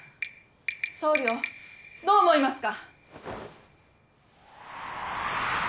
総領どう思いますか？